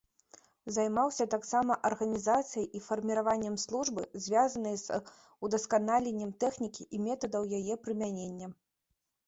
Займаўся таксама арганізацыяй і фарміраваннем службы, звязанай з удасканаленнем тэхнікі і метадаў яе прымянення.